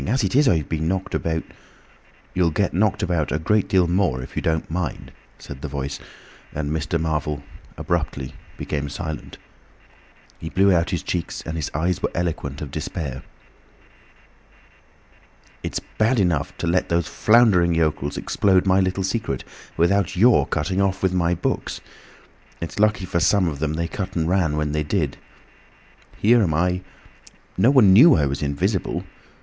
As it is, I've been knocked about—" "You'll get knocked about a great deal more if you don't mind," said the Voice, and Mr. Marvel abruptly became silent. He blew out his cheeks, and his eyes were eloquent of despair. "It's bad enough to let these floundering yokels explode my little secret, without your cutting off with my books. It's lucky for some of them they cut and ran when they did! Here am I ... No one knew I was invisible!